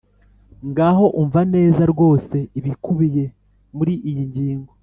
ngaho umva neza rwose ibikubiye muri iyi ngingo: